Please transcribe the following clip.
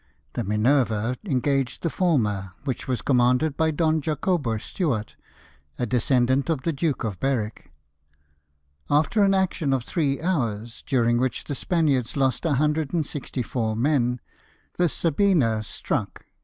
The Minerve engaged the former, which was commanded by Don Jacobo Stuart, a descendant of the Duke of Berwick. After an action of three hours, during which the Spaniards lost 164 men, the Sabina struck.